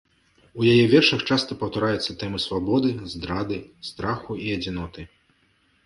У яе вершах часта паўтараюцца тэмы свабоды, здрады, страху і адзіноты.